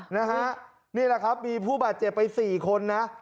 นี่แหละครับมีผู้บาดเจ็บไป๔คนนะ